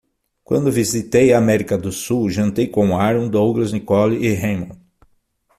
Quando visitei a América do Sul, jantei com Aaron, Douglas, Nicole e Raymond.